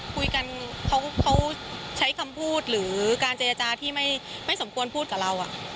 คุยกันเขาใช้คำพูดหรือการเจรจาที่ไม่สมควรพูดกับเรา